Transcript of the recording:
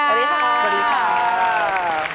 สวัสดีค่ะ